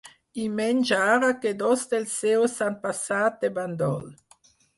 I menys ara que dos dels seus s'han passat de bàndol.